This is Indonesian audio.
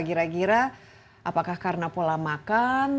gira gira apakah karena pola makan